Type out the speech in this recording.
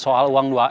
saya berangkat kang